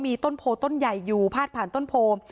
มีต้นโพต้นใหญ่อยู่พาดผ่านต้นโพม